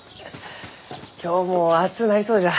今日も暑うなりそうじゃ。